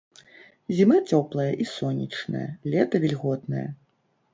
Зіма цёплая і сонечная, лета вільготнае.